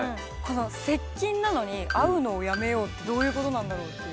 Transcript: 「接近」なのに「会うのをやめよう」ってどういうことなんだろう？っていう。